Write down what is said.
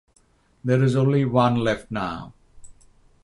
There is only one left now.